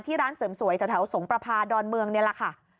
ที่ร้านเสริมสวยทะเทาสงประพาดอนเมืองเนี่ยแหละค่ะ